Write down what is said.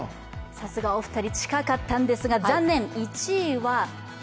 さすがお二人近かったんですが、残念。